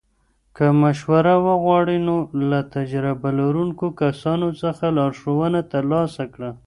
که مشوره وغواړې، نو له تجربه لرونکو کسانو څخه لارښوونه ترلاسه کړه.